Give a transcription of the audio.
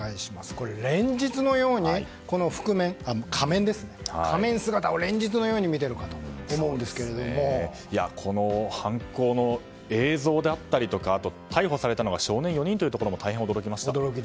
これ、仮面姿を連日のようにこの犯行の映像であったり逮捕されたのが少年４人というところも大変驚きました。